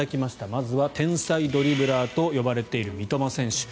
まずは天才ドリブラーと呼ばれている三笘選手。